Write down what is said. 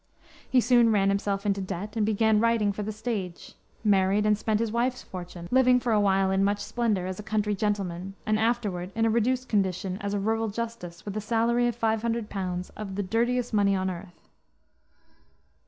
He soon ran himself into debt and began writing for the stage; married, and spent his wife's fortune, living for awhile in much splendor as a country gentleman, and afterward in a reduced condition as a rural justice with a salary of 500 pounds of "the dirtiest money on earth."